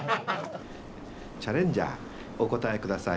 「チャレンジャーお答え下さい」。